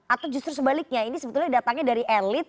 atau justru sebaliknya ini sebetulnya datangnya dari elit